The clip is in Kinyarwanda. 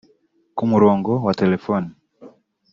Ku murongo wa Telefone